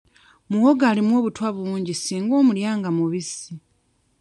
Muwogo alimu obutwa bungi singa omulya nga mubisi.